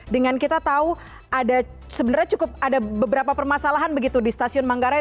dengan kita tahu ada beberapa permasalahan di stasiun manggarai